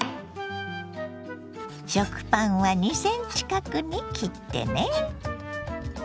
食パンは２ｃｍ角に切ってね。